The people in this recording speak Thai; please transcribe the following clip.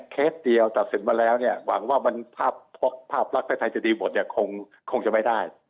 แค่เคสเดียวจัดสินมาแล้วหวังว่าภาพรักไทยจะดีหมดคงจะไม่ได้